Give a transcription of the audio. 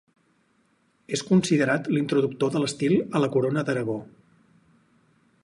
És considerat l'introductor de l'estil a la Corona d'Aragó.